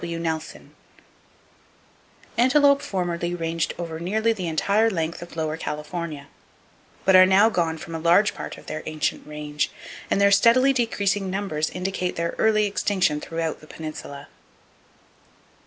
W. Nelson: "Antelope formerly ranged over nearly the entire length of Lower California, but are now gone from a large part of their ancient range, and their steadily decreasing numbers indicate their early extinction throughout the peninsula."